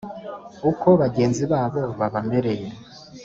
uko bagenzi babo babamereye.